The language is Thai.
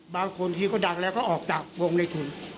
บางทีก็ดังแล้วก็ออกจากวงในทุน